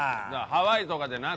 ハワイとかでな